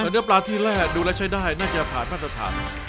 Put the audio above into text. เนื้อปลาที่แร่ดูแล้วใช้ได้น่าจะผ่านมาตรฐาน